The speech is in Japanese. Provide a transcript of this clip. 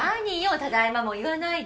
ただいまも言わないで。